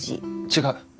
違う。